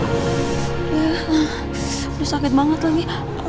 udah sakit banget lagi